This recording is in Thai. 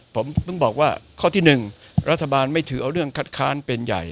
ผมถึงบอกว่าข้อที่๑รัฐบาลไม่ถือเอาเรื่องคัดค้านเป็นใหญ่